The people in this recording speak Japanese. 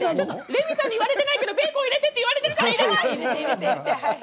レミさんに言われてないけどベーコン入れてって言われてるから入れます！